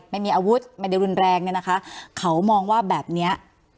ไม่มีอาวุธไม่ได้รุนแรงเนี่ยนะคะเขามองว่าแบบเนี้ย